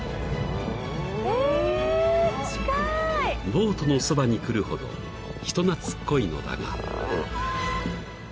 ［ボートのそばに来るほど人懐っこいのだが］